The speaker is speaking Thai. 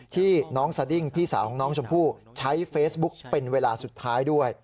ที่น้องสดิ้งพี่สาวของน้องชมพู่ใช้เฟซบุ๊กเป็นเวลาสุดท้ายด้วย